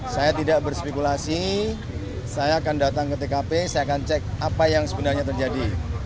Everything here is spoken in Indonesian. saya tidak berspekulasi saya akan datang ke tkp saya akan cek apa yang sebenarnya terjadi